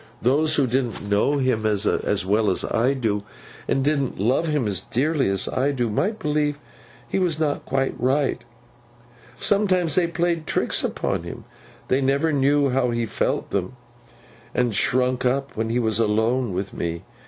Those who didn't know him as well as I do, and didn't love him as dearly as I do, might believe he was not quite right. Sometimes they played tricks upon him; but they never knew how he felt them, and shrunk up, when he was alone with me.